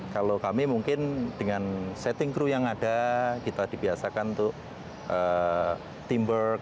kalau kami mungkin dengan setting crew yang ada kita dibiasakan untuk teamwork